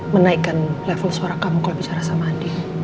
menaikkan level suara kamu kalau bicara sama andi